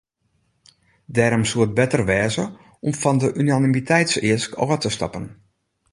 Dêrom soe it better wêze om fan de unanimiteitseask ôf te stappen.